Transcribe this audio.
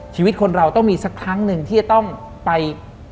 ชีวิตคนเราต้องมีสักครั้งหนึ่งที่จะต้องไป